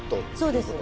そうです。